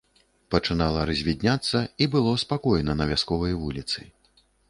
Пачынала развідняцца, і было спакойна на вясковай вуліцы.